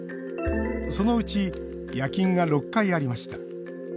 そのうち、夜勤が６回ありました。